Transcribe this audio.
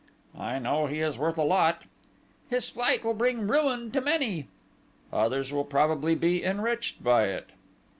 "I know he is worth a lot." "His flight will bring ruin to many." "Others will probably be enriched by it!"